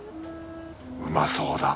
うまそうだ。